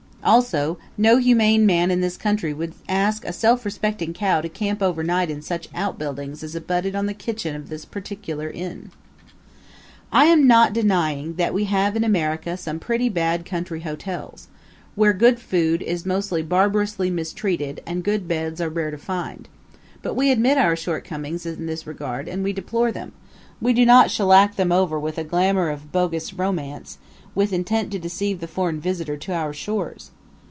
Also, no humane man in this country would ask a self respecting cow to camp overnight in such outbuildings as abutted on the kitchen of this particular inn. I am not denying that we have in America some pretty bad country hotels, where good food is most barbarously mistreated and good beds are rare to find, but we admit our shortcomings in this regard and we deplore them we do not shellac them over with a glamour of bogus romance, with intent to deceive the foreign visitor to our shores.